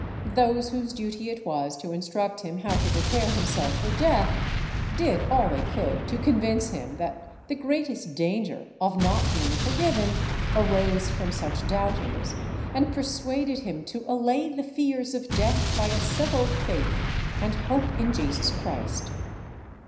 Those whose duty it was to instruct him how to prepare himself for death, did all they could to convince him that the greatest danger of not being forgiven arose from such doubtings, and persuaded him to allay the fears of death by a settled faith and hope in Jesus Christ.